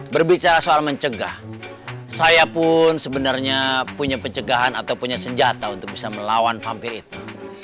berbicara soal mencegah saya pun sebenarnya punya pencegahan atau punya senjata untuk bisa melawan vampir itu